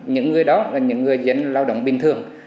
những người đó là những người dân lao động bình thường